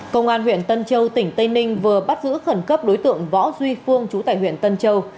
công an huyện tân châu tỉnh tây ninh vừa bắt giữ khẩn cấp đối tượng võ duy phương chú tại huyện tân châu